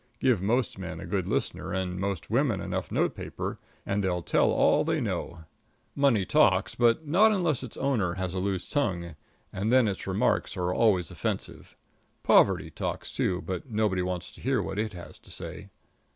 Give most men a good listener and most women enough note paper and they'll tell all they know. Money talks but not unless its owner has a loose tongue, and then its remarks are always offensive. Poverty talks, too, but nobody wants to hear what it has to say.